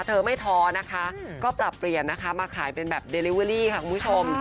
เธอไม่ท้อนะคะก็ปรับเปลี่ยนนะคะมาขายเป็นแบบเดลิเวอรี่ค่ะคุณผู้ชม